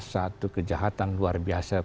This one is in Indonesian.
satu kejahatan luar biasa